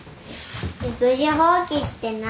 育児放棄って何？